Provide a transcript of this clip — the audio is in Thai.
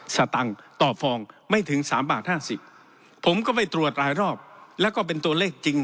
สตังค์ต่อฟองไม่ถึง๓บาท๕๐ผมก็ไปตรวจหลายรอบแล้วก็เป็นตัวเลขจริง